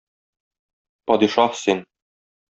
Падишаһ син!